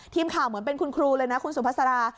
เหมือนเป็นคุณครูเลยนะคุณสุภาษา